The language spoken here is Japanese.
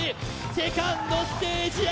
セカンドステージへ！